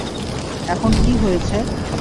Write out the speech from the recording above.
এখন কী হয়েছে?